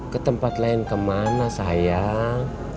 ke tempat lain kemana sayang